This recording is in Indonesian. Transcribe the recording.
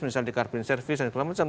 misalnya di carbon services dan segala macam